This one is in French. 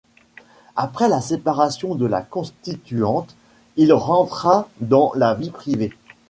Après la séparation de la Constituante, il rentra dans la vie privée.